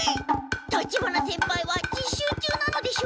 立花先輩は実習中なのでしょうか。